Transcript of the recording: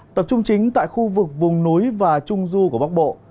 tập trung chính tại khu vực vùng núi và trung du của bắc bộ